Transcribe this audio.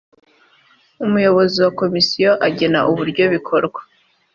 umuyobozi wa komisiyo agena uburyo bikorwa